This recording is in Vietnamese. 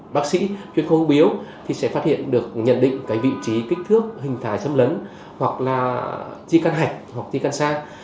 bác sĩ chuyên khu hữu biếu thì sẽ phát hiện được nhận định cái vị trí kích thước hình thái châm lấn hoặc là di căn hạch hoặc di căn sang